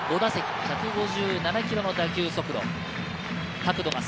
１５７キロの打球速度。